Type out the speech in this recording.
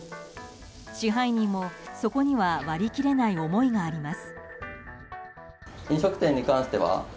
支配人も、そこには割り切れない思いがあります。